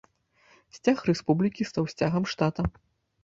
Сцяг рэспублікі стаў сцягам штата.